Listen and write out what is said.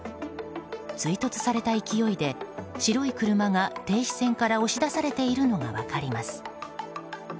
追突された勢いで白い車が停止線から押し出されているのが分かります。